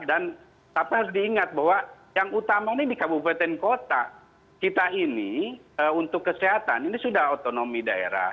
dan harus diingat bahwa yang utama ini di kabupaten kota kita ini untuk kesehatan ini sudah otonomi daerah